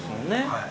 はい。